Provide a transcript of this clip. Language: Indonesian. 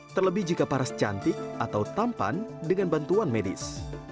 terlebih jika paras cantik atau tampan dengan bantuan medis